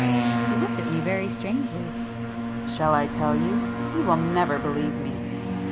He looked at me very strangely. "Shall I tell you? You will never believe me!"